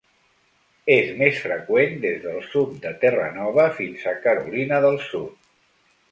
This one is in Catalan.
És més freqüent des del sud de Terranova fins a Carolina del Sud.